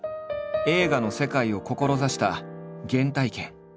映画の世界を志した原体験。